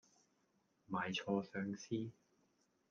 賣錯相思